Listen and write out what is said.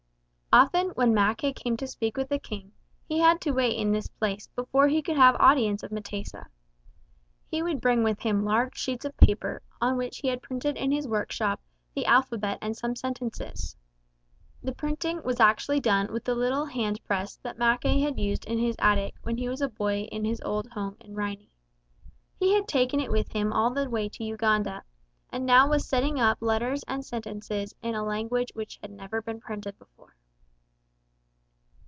Often when Mackay came to speak with the King, he had to wait in this place before he could have audience of M'tesa. He would bring with him large sheets of paper on which he had printed in his workshop the alphabet and some sentences. The printing was actually done with the little hand press that Mackay had used in his attic when he was a boy in his old home in Rhynie. He had taken it with him all the way to Uganda, and now was setting up letters and sentences in a language which had never been printed before.